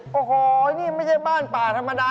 โอ้โหนี่ไม่ใช่บ้านป่าธรรมดา